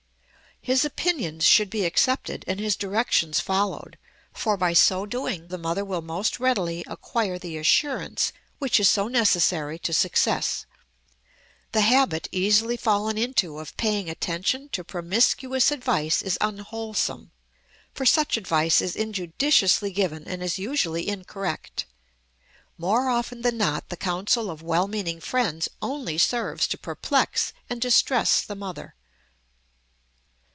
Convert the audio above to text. His opinions should be accepted and his directions followed, for by so doing the mother will most readily acquire the assurance which is so necessary to success. The habit, easily fallen into, of paying attention to promiscuous advice is unwholesome, for such advice is injudiciously given and is usually incorrect. More often than not the counsel of well meaning friends only serves to perplex and distress the mother.